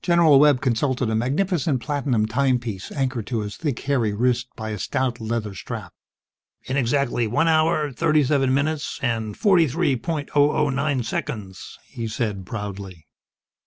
General Webb consulted a magnificent platinum timepiece anchored to his thick hairy wrist by a stout leather strap. "In exactly one hour, thirty seven minutes, and forty three point oh oh nine seconds!" he said, proudly.